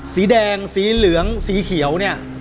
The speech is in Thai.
สีแดงสีเหลืองสีเขียวเนี่ย